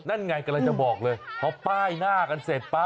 นั่นไงกำลังจะบอกเลยพอป้ายหน้ากันเสร็จป๊